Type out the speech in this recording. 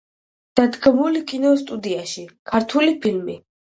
დადგმული კინოსტუდიაში „ქართული ფილმი“.